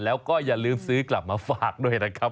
แล้วก็อย่าลืมซื้อกลับมาฝากด้วยนะครับ